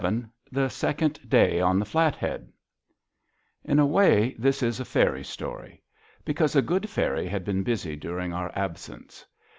VII THE SECOND DAY ON THE FLATHEAD In a way, this is a fairy story. Because a good fairy had been busy during our absence.